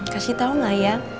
kasih tau gak ya